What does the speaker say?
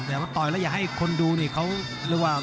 แต่ว่าต่อยแล้วอย่าให้คนดูนี่เขา